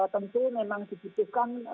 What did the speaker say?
tentu memang dikutipkan